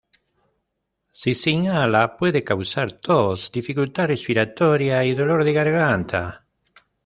Si se inhala, puede causar tos, dificultad respiratoria y dolor de garganta.